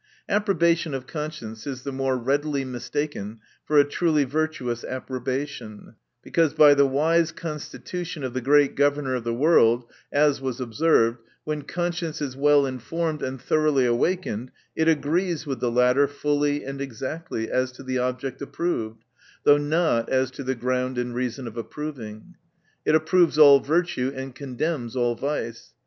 Approbation of conscience is the more readily mistaken for a truly virtuous approbation, be cause by the wise constitution of the great Governor of the world (as was observ ed), when conscience is well informed, and thoroughly awakened, it agrees with the latter fully and exactly, as to the object approved, though not as to the ground and reason of approving. It approves all virtue, and condemns all vice.